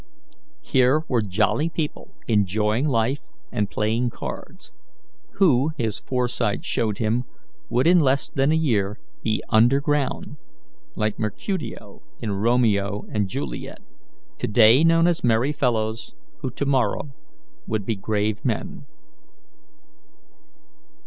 Here were jolly people enjoying life and playing cards, who, his foresight showed him, would in less than a year be under ground like Mercutio, in "Romeo and Juliet," to day known as merry fellows, who to morrow would be grave men.